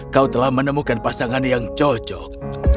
kau telah menemukan pasangan yang cocok